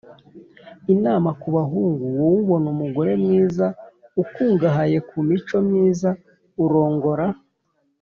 inama kubahungu: wowe ubona umugore mwiza, ukungahaye kumico myiza, urongora